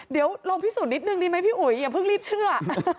เดี๋ยวลองพิสูจนนิดนึงดีไหมพี่อุ๋ยอย่าเพิ่งรีบเชื่อ